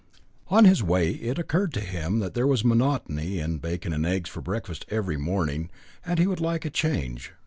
On his way it occurred to him that there was monotony in bacon and eggs for breakfast every morning, and he would like a change.